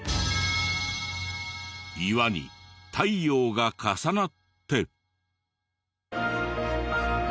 岩に太陽が重なって。